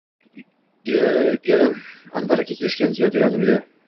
Erim Anvar aka kelishgan, ziyoli odam edi